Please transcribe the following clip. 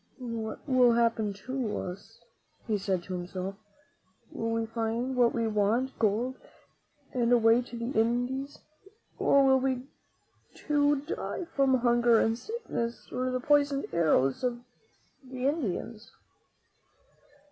"What will happen to us?" he said to himself. "Will we find what we want, gold and a way to the Indies, or will we too die from hunger and sickness and the poisoned arrows of the Indians?"